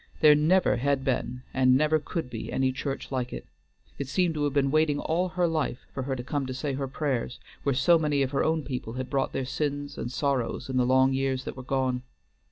there never had been and never could be any church like it; it seemed to have been waiting all her life for her to come to say her prayers where so many of her own people had brought their sins and sorrows in the long years that were gone.